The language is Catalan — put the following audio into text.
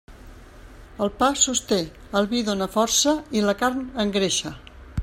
El pa sosté, el vi dóna força i la carn engreixa.